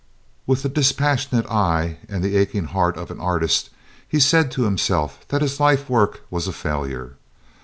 With the dispassionate eye and the aching heart of an artist he said to himself that his life work was a failure.